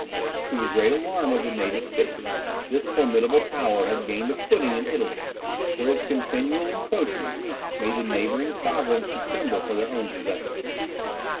To the great alarm of the native states, this formidable power had gained a footing in Italy, where its continual encroachments made the neighbouring sovereigns to tremble for their own possessions.